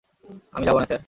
আমি যাবো না, স্যার।